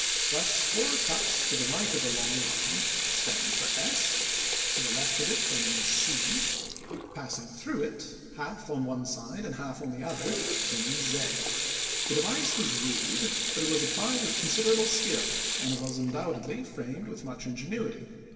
Thus four cuts to the right of the long line stand for S; to the left of it they mean C; passing through it, half on one side and half on the other, they mean Z. The device was rude, but it was applied with considerable skill, and it was undoubtedly framed with much ingenuity.